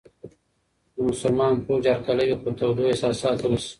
د مسلمان فوج هرکلی به په تودو احساساتو وشي.